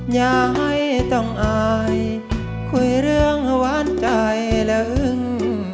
อย่าให้ต้องอายคุยเรื่องหวานใจและอึ้ง